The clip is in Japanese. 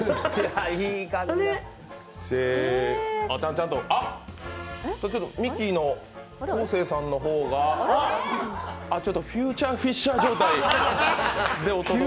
ちゃんと、ミキの昴生さんの方があっ、ちょっとフューチャーフィッシャー状態で。